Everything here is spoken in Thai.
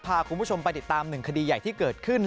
พาคุณผู้ชมไปติดตามหนึ่งคดีใหญ่ที่เกิดขึ้น